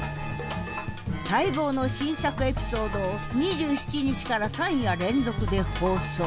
待望の新作エピソードを２７日から３夜連続で放送。